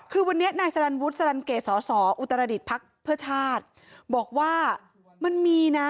คือวันนี้นายสรรวุฒิสรรานเกสอุตรฐริตภัคพฤชาสตร์บอกว่ามันมีน่ะ